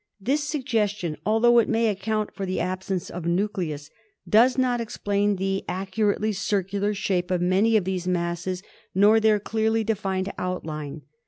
This suggestion, although it may ac count for the absence of nucleus, does not explain the accurately circular shape of many of these masses, nor their clearly defined outline.